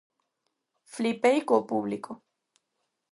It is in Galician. Flipei co público.